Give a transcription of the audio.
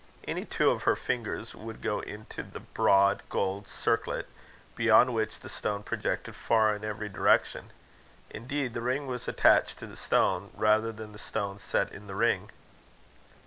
Any two of her fingers would go into the broad gold circlet, beyond which the stone projected far in every direction. Indeed, the ring was attached to the stone, rather than the stone set in the ring.